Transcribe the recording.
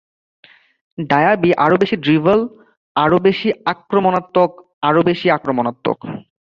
ডায়াবি আরো বেশী ড্রিবল, আরো আক্রমণাত্মক আর আরো বেশি আক্রমনাত্মক।